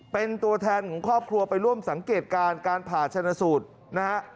เป็นตัวแทนของครอบครัวไปร่วมสังเกตการณ์การผ่าชนะสูตรนะฮะ